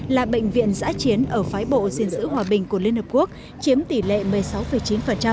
là bệnh viện giã chiến ở phái bộ gìn giữ hòa bình của liên hợp quốc chiếm tỷ lệ một mươi sáu chín